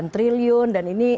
lima sembilan triliun dan ini